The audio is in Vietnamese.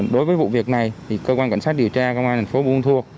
đối với vụ việc này thì cơ quan cảnh sát điều tra công an thành phố buôn ma thuột